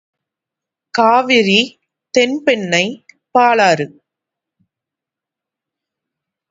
Kaveri Thenpennai Palar